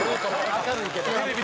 明るいけど。